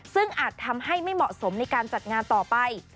ซึ่งอาจทำให้ไม่เหมาะสมในการจัดงานต่อไป